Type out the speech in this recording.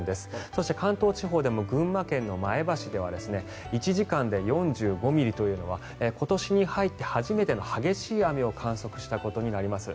そして、関東地方でも群馬県の前橋では１時間で４５ミリというのは今年に入って初めての激しい雨を観測したことになります。